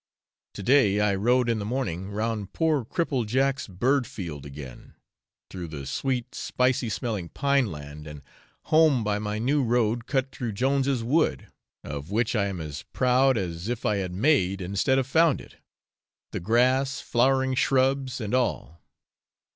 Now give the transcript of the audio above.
To day I rode in the morning round poor Cripple Jack's bird field again, through the sweet spicy smelling pine land, and home by my new road cut through Jones's wood, of which I am as proud as if I had made instead of found it the grass, flowering shrubs, and all.